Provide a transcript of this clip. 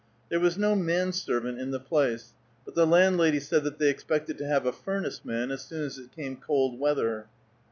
There was no man servant in the place; but the landlady said that they expected to have a furnace man as soon as it came cold weather.